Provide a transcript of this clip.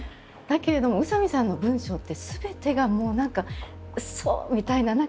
だけれども宇佐見さんの文章ってすべてがもう何か「そう！」みたいな。